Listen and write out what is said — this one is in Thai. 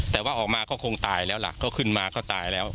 แต่ว่าออกมาก็คงตายแล้วล่ะก็ขึ้นมาก็ตายแล้ว